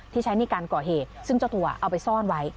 ใช้ในการก่อเหตุซึ่งเจ้าตัวเอาไปซ่อนไว้